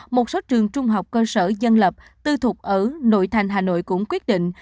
một số trường trung học cơ sở dân lập tư thục ở nội thành hà nội cũng quyết định